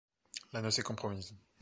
La noce est compromise.